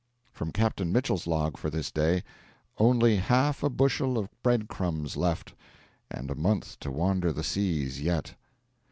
From Captain Mitchell's log for this day: 'Only half a bushel of bread crumbs left.' (And a month to wander the seas yet.')